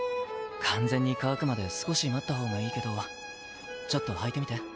完全に乾くまで少し待ったほうがいいけどちょっと履いてみて。